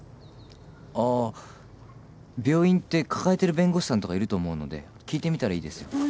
あ病院って抱えてる弁護士さんとかいると思うので聞いてみたらいいですよ。